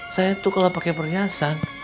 saya tuh kalau pake perhiasan